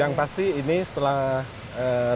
yang pasti ini setelah ee